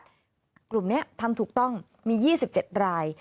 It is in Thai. กากตัวของรัฐกลุ่มนี้ทำถูกต้องมียี่สิบเจ็ดราย